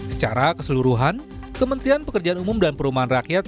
secara keseluruhan kementerian pekerjaan umum dan perumahan rakyat